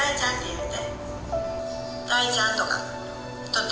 って。